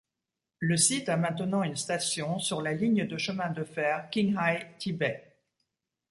Le site a maintenant une station sur la ligne de chemin de fer Qinghai-Tibet.